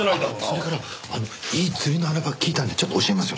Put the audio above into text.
それからいい釣りの穴場聞いたんでちょっと教えますよ。